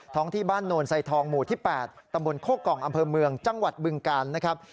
ที่บ้านโนนไซทองหมู่ที่๘ตำบลโคกองอำเภอเมืองจังหวัดบึงกาลนะครับ